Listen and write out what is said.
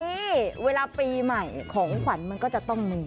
นี่เวลาปีใหม่ของขวัญมันก็จะต้องมี